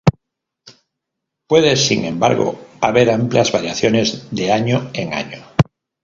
Puede, sin embargo, haber amplias variaciones de año en año.